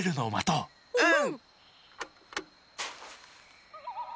うん。